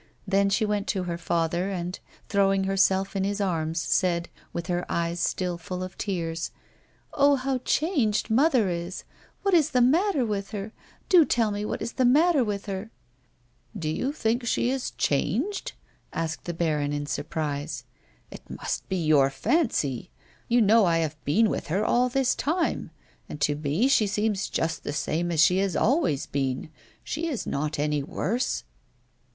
Then she went to her father and, throwing herself in his arms, said, with her eves still full of tears ;" Oh, how changed mother is ! What is the matter with her ? Do tell me what is the matter with her 1 "" Do you think she is changed !" asked the baron in surprise. " It must be your fancy. You know I have been with her all this time, and to me she seems just the same as she has always been ; she is not any worse."